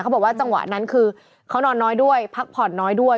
บอกว่าจังหวะนั้นคือเขานอนน้อยด้วยพักผ่อนน้อยด้วย